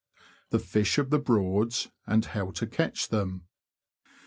THE FISH OF THE BROADS, AND HOW TO CATCH THEM.